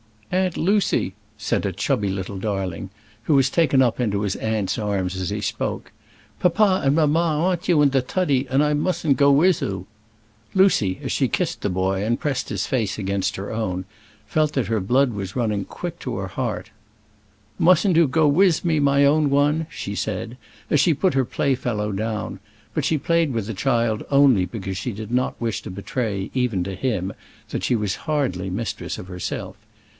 "Aunt Lucy," said a chubby little darling, who was taken up into his aunt's arms as he spoke, "papa and mamma 'ant 'oo in te tuddy, and I musn't go wis 'oo." Lucy, as she kissed the boy and pressed his face against her own, felt that her blood was running quick to her heart. "Musn't 'oo go wis me, my own one?" she said, as she put her playfellow down; but she played with the child only because she did not wish to betray even to him that she was hardly mistress of herself.